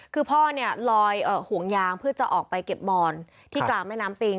คือพ่อเนี่ยลอยห่วงยางเพื่อจะออกไปเก็บบอนที่กลางแม่น้ำปิง